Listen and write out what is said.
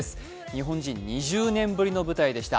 日本人２０年ぶりの舞台でした。